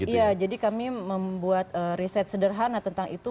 iya jadi kami membuat riset sederhana tentang itu